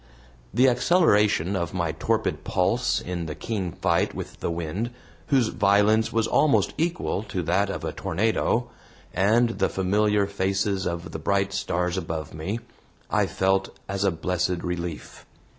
The acceleration of my torpid pulse in the keen fight with the wind, whose violence was almost equal to that of a tornado, and the familiar faces of the bright stars above me, I felt as a blessed relief.